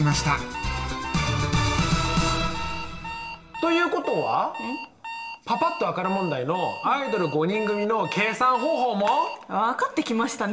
ということはパパっと分かる問題のアイドル５人組の計算方法も？分かってきましたね。